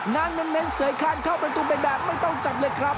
นางเม้นเหน้นเสยครานเข้าประตูแบบแบบไม่ต้องจับเลยครับ